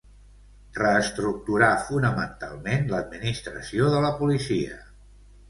Reestructurà fonamentalment l’administració de la policia.